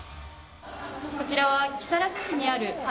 こちらは、木更津市にある八